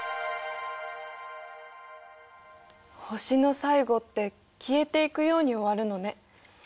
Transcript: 星の最後って消えていくように終わるのね。